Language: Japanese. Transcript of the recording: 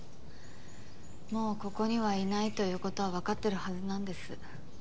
もうここにはいないということはわかってるはずなんです。